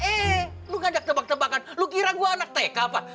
eh lo ngajak tebakan tebakan lo kira gue anak teka apa